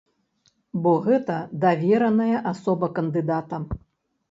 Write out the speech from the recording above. Бо гэта давераная асоба кандыдата.